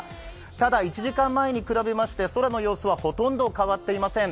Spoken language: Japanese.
ただ、１時間前に比べまして空の様子はほとんど変わっていません。